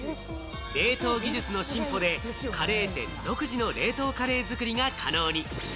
冷凍技術の進歩で、カレー店独自の冷凍カレー作りが可能に。